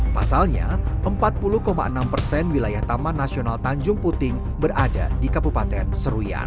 pasalnya empat puluh enam persen wilayah taman nasional tanjung puting berada di kabupaten seruyan